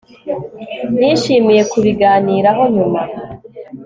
nishimiye kubiganiraho nyuma